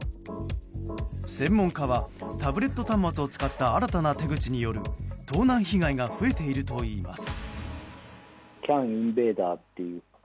専門家はタブレット端末を使った新たな手口による盗難被害が増えているといいます。